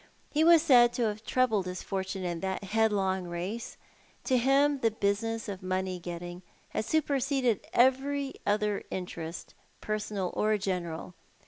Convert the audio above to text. He was said to have trebled his fortune in that headlong race. To him the business of money getting had superseded every other interest, personal or general.